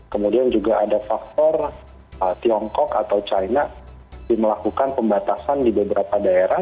kemudian juga ada faktor tiongkok atau china melakukan pembatasan di beberapa daerah